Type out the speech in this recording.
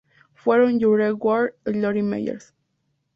Fueron "You're Wrong" y "Lori Meyers".